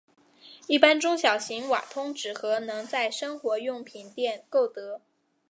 一般中小型瓦通纸盒能在生活用品店购得。